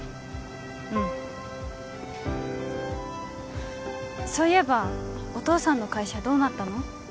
うんそういえばお父さんの会社どうなったの？